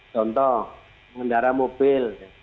contoh kendaraan mobil